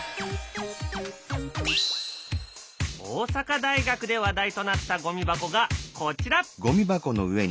大阪大学で話題となったゴミ箱がこちら！